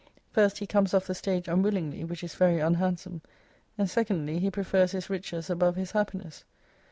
First, he comes off the stage unwillingly, which is very unhandsome : and secondly, he prefers his riches above his happiness.